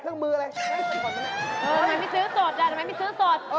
แล้วทำไมไม่ซื้อสด